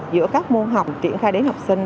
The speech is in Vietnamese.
giữa các môn học triển khai đến học sinh